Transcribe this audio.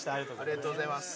ありがとうございます。